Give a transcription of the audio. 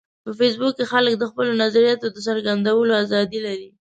په فېسبوک کې خلک د خپلو نظریاتو د څرګندولو ازادي لري